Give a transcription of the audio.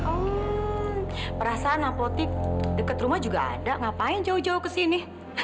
oh perasaan apotik dekat rumah juga ada ngapain jauh jauh ke sini